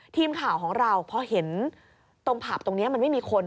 ทีมข่าวของเราพอเห็นตรงผับตรงนี้มันไม่มีคน